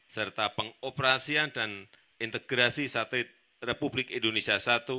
serta pengoperasian dan integrasi satu republik indonesia satu